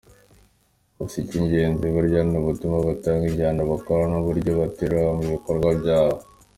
Gusa icy’ingenzi burya ni ubutumwa batanga, injyana bakora n’uburyo bateguramo ibikorwa byabo.